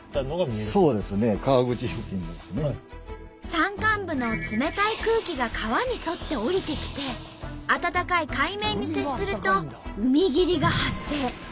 山間部の冷たい空気が川に沿って下りてきて暖かい海面に接すると海霧が発生。